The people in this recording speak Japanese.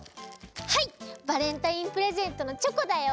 はいバレンタインプレゼントのチョコだよ。